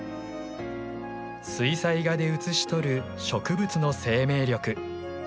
水彩画で写し取る植物の生命力。